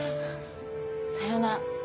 さようなら。